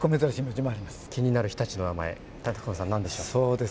気になる日立のお名前高信さん、なんでしょう？